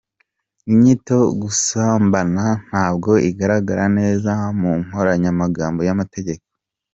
Inyito gusambana ntabwo igaragara neza mu nkoranyamagambo y’amategeko.